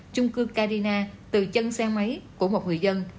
chung cư carina từ chân xe máy của một người dân